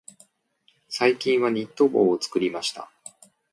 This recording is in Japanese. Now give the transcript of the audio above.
最近はニット帽を作りました。